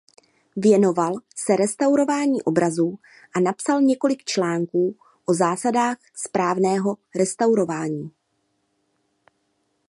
Věnoval se restaurování obrazů a napsal několik článků o zásadách správného restaurování.